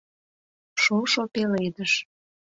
Шошо пеледыш